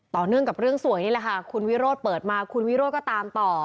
เนื่องกับเรื่องสวยนี่แหละค่ะคุณวิโรธเปิดมาคุณวิโรธก็ตามต่อ